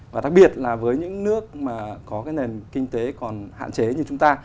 và đặc biệt là với những nước mà có cái nền kinh tế còn hạn chế như chúng ta